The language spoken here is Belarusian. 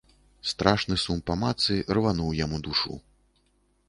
Страшны сум па матцы рвануў яму душу.